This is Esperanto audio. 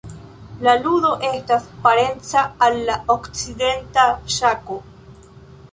La ludo estas parenca al la okcidenta ŝako.